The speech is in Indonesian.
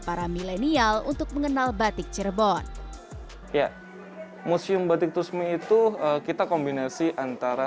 para milenial untuk mengenal batik cirebon ya museum batik tusmi itu kita kombinasi antara